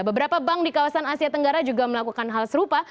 beberapa bank di kawasan asia tenggara juga melakukan hal serupa